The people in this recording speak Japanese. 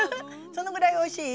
そのぐらいおいしい？